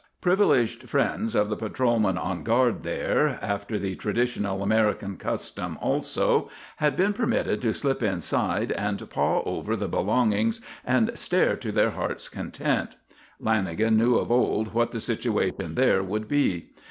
Privileged friends of the patrolman on guard there, after the traditional American custom also, had been permitted to slip inside and paw over the belongings and stare to their hearts' content. Lanagan knew of old what the situation there would be.